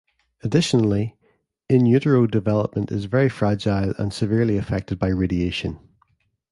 Additionally, in-utero development is very fragile and severely effected by radiation.